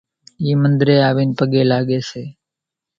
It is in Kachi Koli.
اِي منۮرين آوين پڳين لاڳي سي